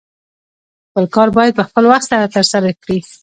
خپل کار باید په خپل وخت سره ترسره کړې